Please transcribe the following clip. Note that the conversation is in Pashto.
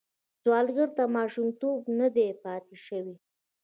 سوالګر ته ماشومتوب نه دی پاتې شوی